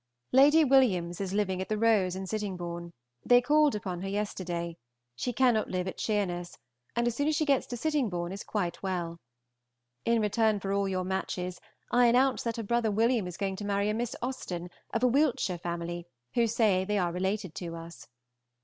Lady Williams is living at the Rose at Sittingbourne; they called upon her yesterday; she cannot live at Sheerness, and as soon as she gets to Sittingbourne is quite well. In return for all your matches, I announce that her brother William is going to marry a Miss Austen, of a Wiltshire family, who say they are related to us.